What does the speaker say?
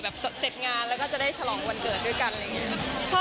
เสร็จงานแล้วก็จะได้ฉลองวันเกิดด้วยกันอะไรอย่างนี้